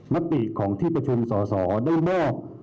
มติของที่ประชุมสอสอได้มอบ